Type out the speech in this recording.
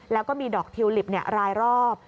แล้วก็มีดอกทิวลิปรายรอบ